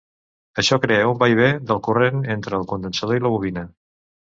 Això crea un vaivé del corrent entre el condensador i la bobina.